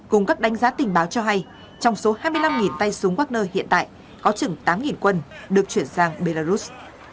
cùng các đánh giá tình báo cho hay trong số hai mươi năm tay súng wagner hiện tại có chừng tám quân được chuyển sang belarus